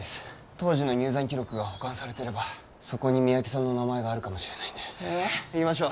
当時の入山記録が保管されてればそこに三宅さんの名前があるかもしれないんで行きましょ